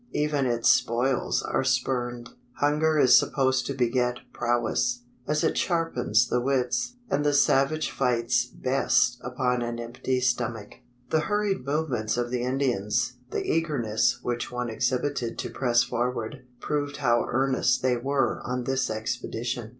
Even its spoils are spurned. Hunger is supposed to beget prowess, as it sharpens the wits; and the savage fights best upon an empty stomach. The hurried movements of the Indians the eagerness each one exhibited to press forward proved how earnest they were on this expedition.